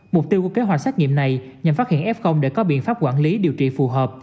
mục tiêu của kế hoạch xét nghiệm này nhằm phát hiện f để có biện pháp quản lý điều trị phù hợp